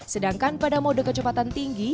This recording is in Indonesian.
sedangkan pada mode kecepatan tinggi